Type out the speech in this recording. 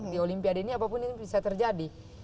di olimpiade ini apapun itu bisa terjadi